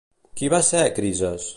Qui va ser Crises?